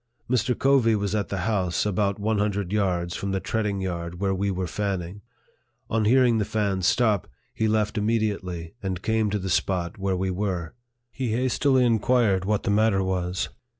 Mr. Covey was at the house, about one hundred yards from the treading yard where we were fanning. On hearing the fan stop, he left immediately, and came to the spot where we were. He hastily inquired what the matter was.